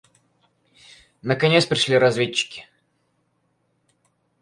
Наконец пришли разведчики.